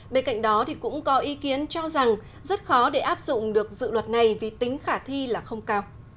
bên cạnh đó cũng có ý kiến cho rằng rất khó để áp dụng được dự luật này vì tính khả thi là không cao